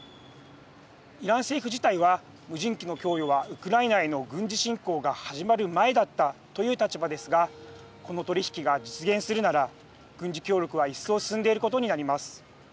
イラン政府自体は無人機の供与はウクライナへの軍事侵攻が始まる前だったという立場ですがこの取り引きが実現するなら軍事協力は一層進んでいることになります。